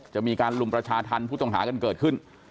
จะมีการลุมประชาธรรมผู้ต้องหากันเกิดขึ้น